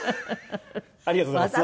ありがとうございます。